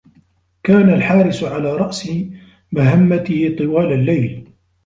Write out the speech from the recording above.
كان الحارس على رأس مهمته طوال الليل.